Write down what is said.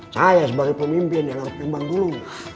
saya sebagai pemimpin yang harus kembang dulu